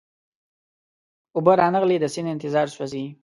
اوبه را نغلې د سیند انتظار سوزي